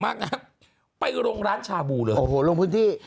มากนะครับไปลงร้านชาบูเลยลงพื้นที่